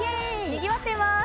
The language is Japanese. にぎわってます！